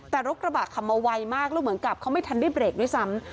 แต่รถกระบะขับมาไวมากแล้วเหมือนกับเขาไม่ทันได้เบรกด้วยซ้ำ